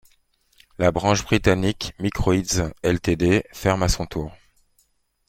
La branche britannique, Microïds Ltd, ferme à son tour.